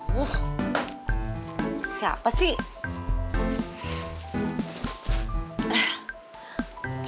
wuhh siapa sih